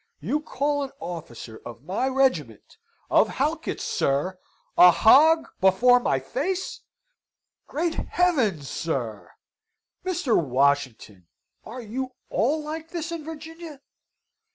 you call an officer of my regiment of Halkett's, sir! a hog before my face! Great heavens, sir! Mr. Washington, are you all like this in Virginia?